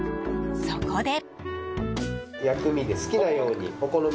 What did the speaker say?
そこで。